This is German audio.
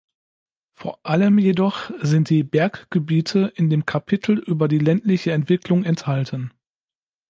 Vor allem jedoch sind die Berggebiete in dem Kapitel über die ländliche Entwicklung enthalten.